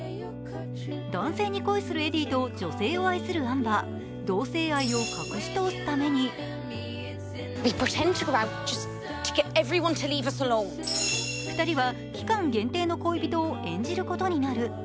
男性に恋するエディと女性を愛するアンバー同性愛を隠し通すために２人は期間限定の恋人を演じることになる。